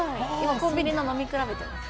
コンビニの飲み比べてます。